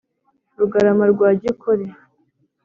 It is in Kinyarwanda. Rugarama rwa Gikore